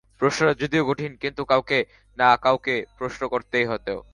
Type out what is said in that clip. প্রশ্নটা যদিও কঠিন, কিন্তু কাউকে না কাউকে প্রশ্নটা করতে হতোই।